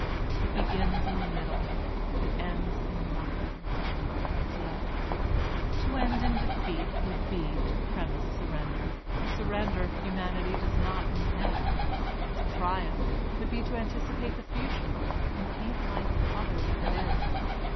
It begins in the middle, it ends in nothing — as yet To end in defeat would be to premise surrender — a surrender humanity does not intend; to triumph would be to anticipate the future, and paint life other than it is.